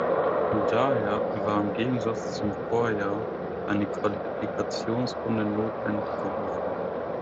Daher war im Gegensatz zum Vorjahr eine Qualifikationsrunde notwendig geworden.